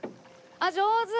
あっ上手！